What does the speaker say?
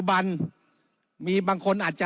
แต่การเลือกนายกรัฐมนตรี